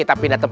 udah panjang ya